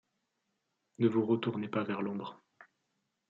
Ne vous retournez pas vers l'ombre